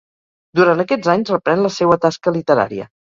Durant aquests anys reprèn la seua tasca literària.